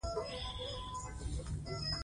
آیا انګریزي افسر خولۍ ایسته کړه؟